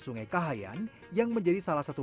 sungai kahayan yang menjadi salah satu